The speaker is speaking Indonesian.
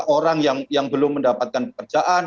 orang yang belum mendapatkan pekerjaan